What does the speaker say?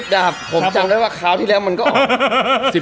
ดาบผมจำได้ว่าคราวที่แล้วมันก็ออก